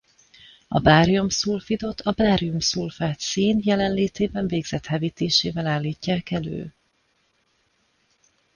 A bárium-szulfidot a bárium-szulfát szén jelenlétében végzett hevítésével állítják elő.